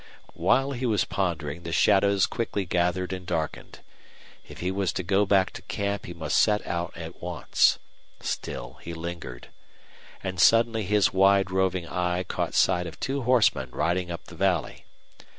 While he was pondering the shadows quickly gathered and darkened. If he was to go back to camp he must set out at once. Still he lingered. And suddenly his wide roving eye caught sight of two horsemen riding up the valley.